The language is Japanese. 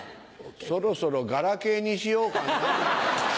そろそろガラケーにしようかな。